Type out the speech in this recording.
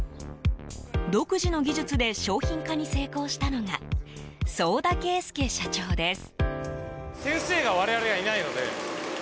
独自の技術で商品化に成功したのが早田圭介社長です。